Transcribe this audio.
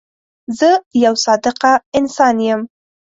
زه یو صادقه انسان یم.